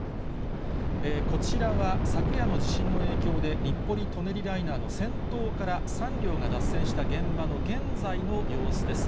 こちらは、昨夜の地震の影響で、日暮里・舎人ライナーの先頭から３両が脱線した現場の現在の様子です。